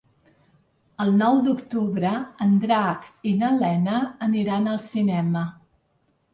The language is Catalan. El nou d'octubre en Drac i na Lena aniran al cinema.